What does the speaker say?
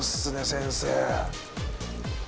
先生